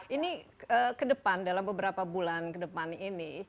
ini kedepan dalam beberapa bulan kedepan ini